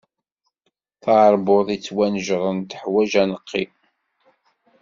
Taṛbut ittwanejṛen teḥwaǧ aneqqi.